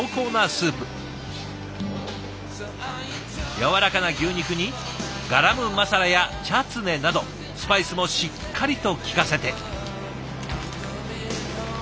やわらかな牛肉にガラムマサラやチャツネなどスパイスもしっかりと利かせて。